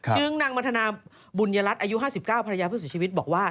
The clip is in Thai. ซึ่งนางมัธนาบุญยรัฐอายุ๕๙ภรรยาผู้เสียชีวิตบอกว่า